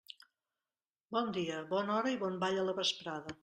Non dia, bona hora i bon ball a la vesprada.